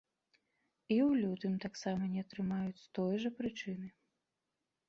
І ў лютым таксама не атрымаюць з той жа прычыны.